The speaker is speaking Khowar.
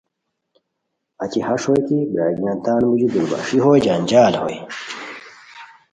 اچہ ہݰ بوئے کی برارگینیان تان موژی دوربَݰی بوئے جنجال بوئے